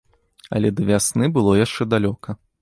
Але да вясны было яшчэ далёка.